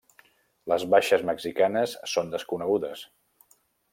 Les baixes mexicanes són desconegudes.